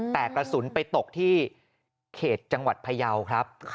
แต่กระสุนไปตกที่เขตจังหวัดพยาวครับ